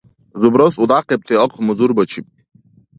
Зубрас удяхъибти ахъ музурбачиб.